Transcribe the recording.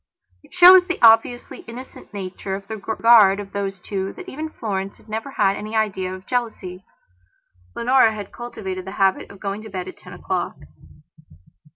It shows the obviously innocent nature of the regard of those two that even Florence had never had any idea of jealousy. Leonora had cultivated the habit of going to bed at ten o'clock.